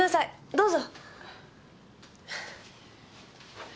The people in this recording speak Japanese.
どうぞ。